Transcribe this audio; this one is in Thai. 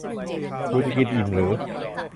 กูจะกินอิ่มหรือ